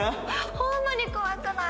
ホンマに怖くない！